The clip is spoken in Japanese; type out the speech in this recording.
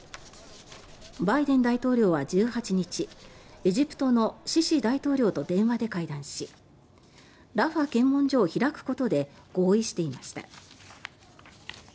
バイデン大統領は１８日エジプトのシシ大統領と電話で会談しラファ検問所を開くことで合意していました。